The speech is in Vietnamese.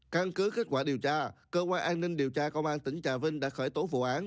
căn cứ kết quả điều tra cơ quan an ninh điều tra công an tỉnh trà vinh đã khởi tố vụ án